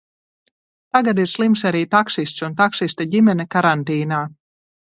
Tagad ir slims arī taksists un taksista ģimene karantīnā.